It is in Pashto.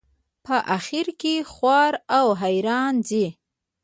په آخر کې خوار او حیران ځي.